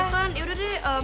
kan ya udah deh